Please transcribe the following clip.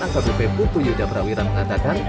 akbp putu yuda prawira mengatakan